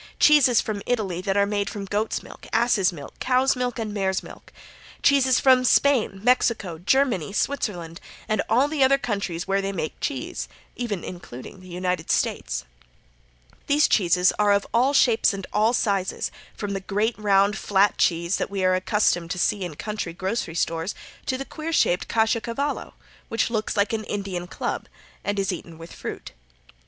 Cheeses from Italy that are made from goats' milk, asses' milk, cows' milk and mares' milk, and also cheeses from Spain, Mexico, Germany, Switzerland, and all the other countries where they make cheese, even including the United States. These cheeses are of all sizes and all shapes, from the great, round, flat cheese that we are accustomed to see in country grocery stores, to the queer shaped caciocavallo, which looks like an Indian club and is eaten with fruit.